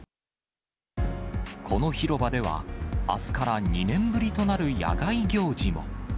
この広場では、あすから２年ぶりとなる野外行事も。